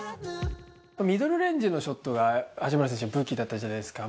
ミドルレンジのショットが八村選手の武器だったじゃないですか。